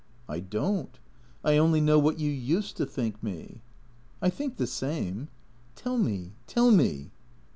" I don't. I only know what you used to think me." " I think the same." "Tell me — tell me."